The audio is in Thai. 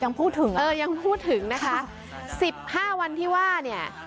ยังพูดถึงเออยังพูดถึงนะคะสิบห้าวันที่ว่าเนี่ย